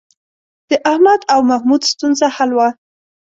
د احمد او محمود ستونزه حل وه.